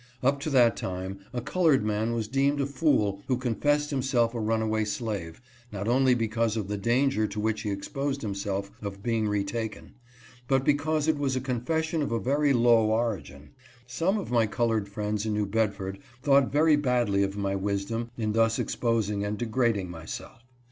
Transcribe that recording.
Up to that time, a colored man was deemed a fool who confessed himself a runaway slave, GIVES HIS HISTORY. 269 not only because of the danger to which he exposed him self of being retaken, but because it was a confession of a very low origin. Some of my colored friends in New Bedford thought very badly of my wisdom in thus expos ing and degrading myself.